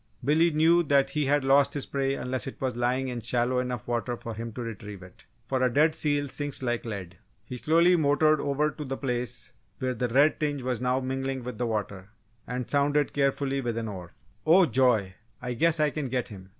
Billy knew that he had lost his prey unless it was lying in shallow enough water for him to retrieve it: for a dead seal sinks like lead. He slowly motored over to the place where the red tinge was now mingling with the water, and sounded carefully with an oar. "Oh, joy! I guess I can get him!"